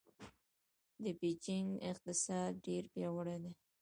د بېجینګ اقتصاد ډېر پیاوړی دی.